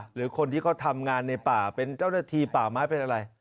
หรือคนที่เขาทำงานในป่าเป็นเจ้าหน้าที่ป่าไม้เป็นอะไร